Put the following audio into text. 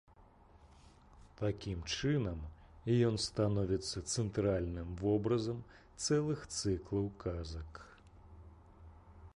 Такім чынам ён становіцца цэнтральным вобразам цэлых цыклаў казак.